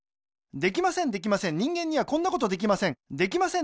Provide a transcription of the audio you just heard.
できませんできません人間にはこんなことぜったいにできません